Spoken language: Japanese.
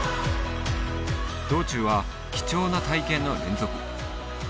道中は貴重な体験の連続